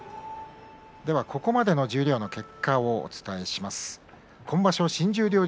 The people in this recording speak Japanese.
ここまでの十両の結果をお伝えします。